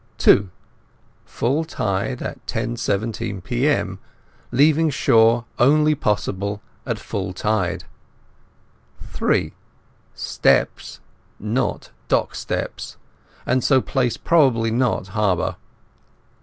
(2) Full tide at 10.17 p.m. Leaving shore only possible at full tide. (3) Steps not dock steps, and so place probably not harbour.